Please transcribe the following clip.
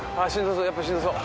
やっぱしんどそう。